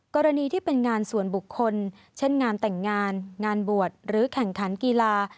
กรณีที่เป็นงานส่วนบุคคลเช่นงานแต่งงานงานบวชหรือแข่งขันกีฬา